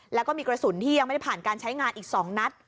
แล้วก็มีกระสุนที่ยังไม่ได้ผ่านการใช้งานอีก๒นัด